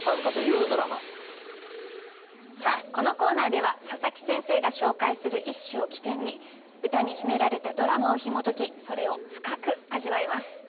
このコーナーでは佐佐木先生が紹介する一首を起点に歌に秘められたドラマをひも解きそれを深く味わいます。